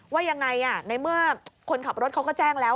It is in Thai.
ว่ายังไงในเมื่อคนขับรถเขาก็แจ้งแล้ว